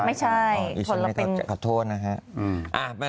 ไม่ใช่ขอโทษนะฮะ